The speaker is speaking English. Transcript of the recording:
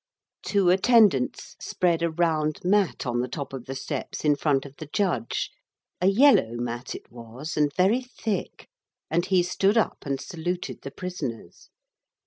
Two attendants spread a round mat on the top of the steps in front of the judge a yellow mat it was, and very thick, and he stood up and saluted the prisoners.